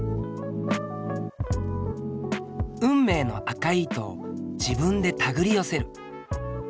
運命の赤い糸を自分でたぐり寄せる。